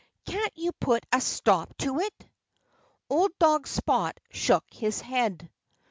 Can't you put a stop to it?" Old dog Spot shook his head.